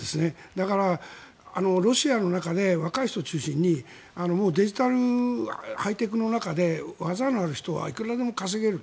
だから、ロシアの中で若い人を中心にもうデジタル、ハイテクの中で技のある人はいくらでも稼げる。